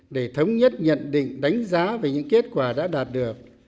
để thống nhất nhận định đánh giá về những kết quả đã đạt được